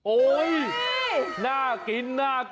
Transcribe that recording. โอ้ยน่ากิน